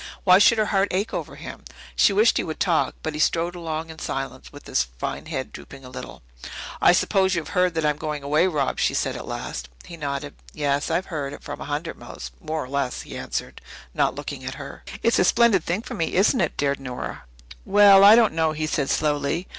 Why should her heart ache over him? She wished he would talk, but he strode along in silence, with his fine head drooping a little. "I suppose you have heard that I am going away, Rob?" she said at last. He nodded. "Yes, I've heard it from a hundred mouths, more or less," he answered, not looking at her. "It's a splendid thing for me, isn't it?" dared Nora. "Well, I don't know," he said slowly.